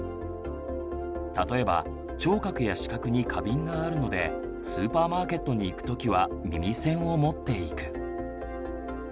例えば聴覚や視覚に過敏があるのでスーパーマーケットに行く時は耳栓を持っていく。